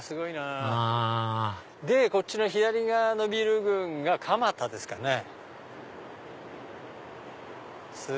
あこっちの左側のビル群が蒲田ですかね。